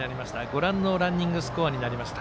ご覧のランニングスコアになりました。